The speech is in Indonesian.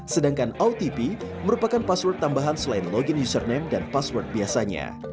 sedangkan otp merupakan password tambahan selain login username dan password biasanya